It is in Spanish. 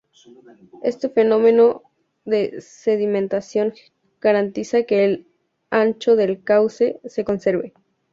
Este fenómeno de sedimentación garantiza que el ancho del cauce se conserve.